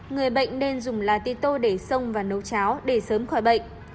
người bệnh nên dùng lá tế tô để sông và nấu cháo để sớm khỏi bệnh